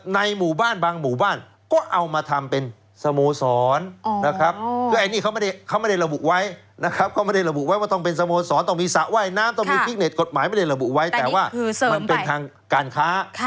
ในหมู่บ้านบางหมู่บ้านก็เอามาทำเป็นสโมสรนะครับคืออันนี้เขาไม่ได้ระบุไว้นะครับเขาไม่ได้ระบุไว้ว่าต้องเป็นสโมสรต้องมีสระว่ายน้ำต้องมีฟิตเน็ตกฎหมายไม่ได้ระบุไว้แต่ว่ามันเป็นทางการค้า